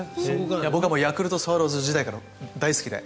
僕はヤクルトスワローズ時代から大好きで。